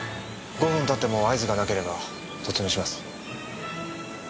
５分経っても合図がなければ突入します。